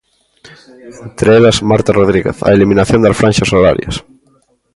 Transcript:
Entre elas, Marta Rodríguez, a eliminación das franxas horarias.